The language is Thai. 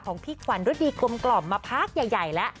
ของพี่ขวัญด้วยดีกลมกล่อมมาพาร์กใหญ่ละ